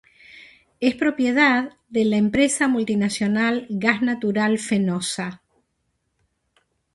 Es propiedad de la empresa multinacional Gas Natural Fenosa.